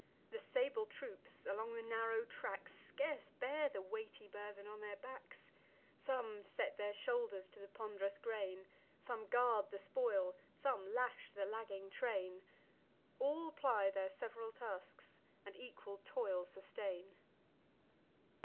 The sable troops, along the narrow tracks, Scarce bear the weighty burthen on their backs: Some set their shoulders to the pond'rous grain; Some guard the spoil; some lash the lagging train; All ply their sev'ral tasks, and equal toil sustain.